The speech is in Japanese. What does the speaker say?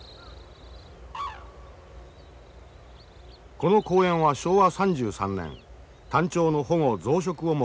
この公園は昭和３３年タンチョウの保護・増殖を目的につくられた。